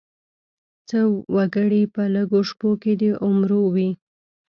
څه وګړي په لږو شپو کې د عمرو وي.